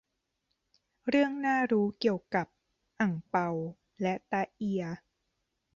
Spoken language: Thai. เรื่องน่ารู้เกี่ยวกับ อั่งเปา และแต๊ะเอีย